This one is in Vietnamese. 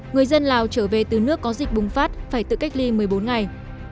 người dân lào trở về từ nước có dịch bùng phát phải tự cách ly một mươi bốn ngày